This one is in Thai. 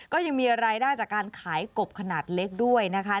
ก็ยังมีรายได้จากการขายกบขนาดเล็กด้วยนะคะ